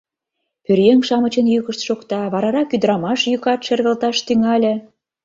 Пӧръеҥ-шамычын йӱкышт шокта, варарак ӱдырамаш йӱкат шергылташ тӱҥале...